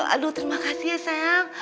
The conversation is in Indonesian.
aduh terima kasih ya sayang